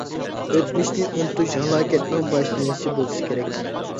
ئۆتمۈشنى ئۇنتۇش ھالاكەتنىڭ باشلىنىشى بولسا كېرەك.